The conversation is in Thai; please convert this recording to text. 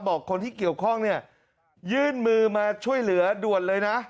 คนที่เกี่ยวข้องเนี่ยยื่นมือมาช่วยเหลือด่วนเลยนะ